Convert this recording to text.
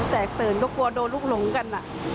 แตกตื่นก็กลัวโดนลูกหลงกัน